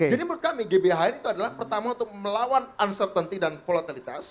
jadi menurut kami gbhn itu adalah pertama untuk melawan uncertainty dan volatilitas